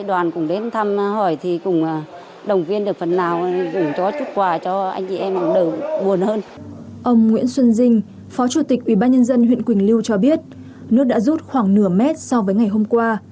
ông nguyễn xuân dinh phó chủ tịch ubnd huyện quỳnh lưu cho biết nước đã rút khoảng nửa mét so với ngày hôm qua